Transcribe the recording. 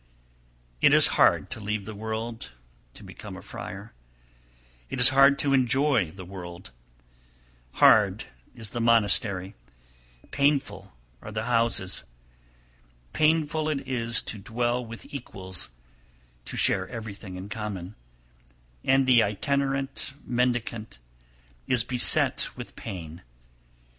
302. It is hard to leave the world (to become a friar), it is hard to enjoy the world; hard is the monastery, painful are the houses; painful it is to dwell with equals (to share everything in common) and the itinerant mendicant is beset with pain.